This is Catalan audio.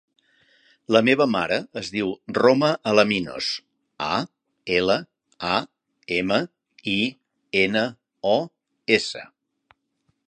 La meva mare es diu Roma Alaminos: a, ela, a, ema, i, ena, o, essa.